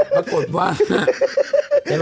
ปรากฏว่า